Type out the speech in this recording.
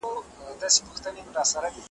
له هغه چي وو له موره زېږېدلی .